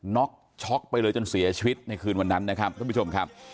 น็อกช็อกไปเลยจนเสียชีวิตในคืนวันนั้นนะครับ